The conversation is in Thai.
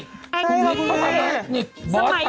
ใช่ครับพี่